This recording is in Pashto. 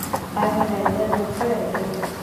ایا لیزر مو کړی دی؟